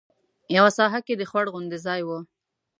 یوه ساحه کې د خوړ غوندې ځای و.